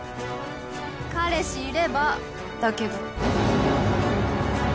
彼氏いればだけど。